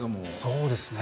そうですね。